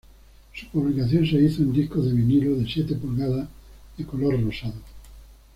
Su publicación se hizo en discos de vinilo de siete pulgadas, de color rosado.